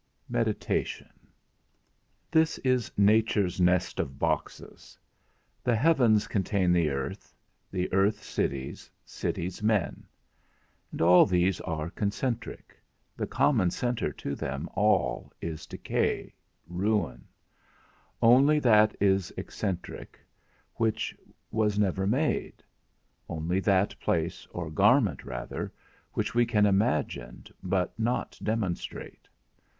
_ X. MEDITATION. This is nature's nest of boxes: the heavens contain the earth; the earth, cities; cities, men. And all these are concentric; the common centre to them all is decay, ruin; only that is eccentric which was never made; only that place, or garment rather, which we can imagine but not demonstrate.